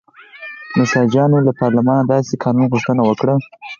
نساجانو له پارلمانه داسې قانون غوښتنه وکړه.